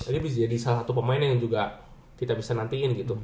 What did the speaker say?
ini bisa jadi salah satu pemain yang juga kita bisa nantiin gitu